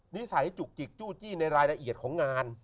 นิสัยจุกจิกจู้จี้ในรายละเอียดของงาน